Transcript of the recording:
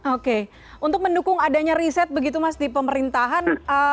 oke untuk mendukung adanya riset begitu mas di pemerintahan